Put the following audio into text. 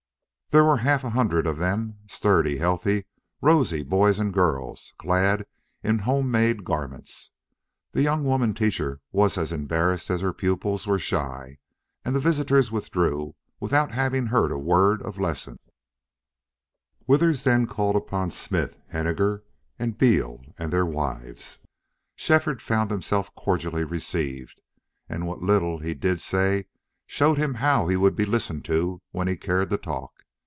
There were half a hundred of them, sturdy, healthy, rosy boys and girls, clad in home made garments. The young woman teacher was as embarrassed as her pupils were shy, and the visitors withdrew without having heard a word of lessons. Withers then called upon Smith, Henninger, and Beal, and their wives. Shefford found himself cordially received, and what little he did say showed him how he would be listened to when he cared to talk.